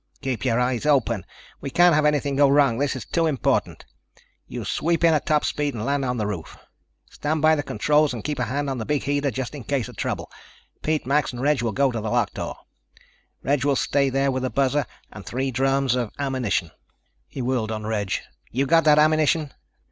"Keep your eyes open. We can't have anything go wrong. This is too important. You swoop in at top speed and land on the roof. Stand by the controls and keep a hand on the big heater just in case of trouble. Pete, Max and Reg will go to the lockdoor. Reg will stay there with the buzzer and three drums of ammunition." He whirled on Reg. "You got that ammunition?"